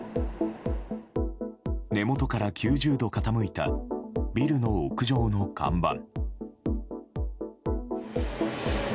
根元から９０度傾いたビルの屋上の看板。